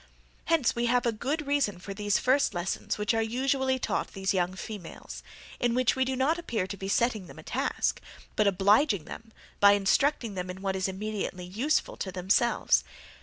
Hence we have a good reason for the first lessons which are usually taught these young females: in which we do not appear to be setting them a task, but obliging them, by instructing them in what is immediately useful to themselves.